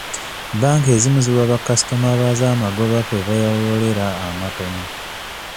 Banka ezimu ziwa bakasitoma baazo amagoba kwe bewolera amatono.